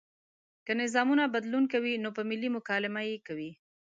که نظامونه بدلون کوي نو په ملي مکالمه یې کوي.